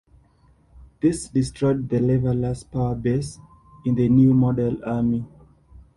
This destroyed the Levellers' power base in the New Model Army.